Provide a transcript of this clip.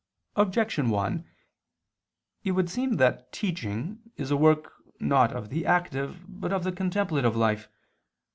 Objection 1: It would seem that teaching is a work not of the active but of the contemplative life.